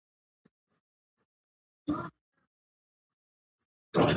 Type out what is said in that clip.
د ملوکیت فرعي اصول څلور دي.